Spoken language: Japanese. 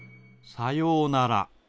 さようなら。